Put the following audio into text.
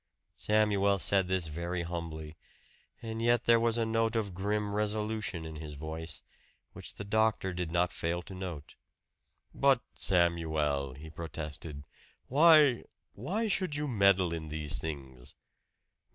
Samuel said this very humbly; and yet there was a note of grim resolution in his voice which the doctor did not fail to note. "But, Samuel!" he protested. "Why why should you meddle in these things?"